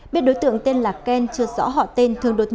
biết đối tượng tên là ken chưa rõ họ tên